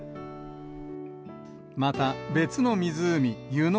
また、別の湖、湯ノ